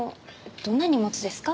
どんな荷物ですか？